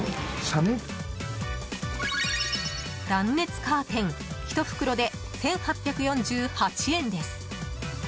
断熱カーテン１袋で１８４８円です。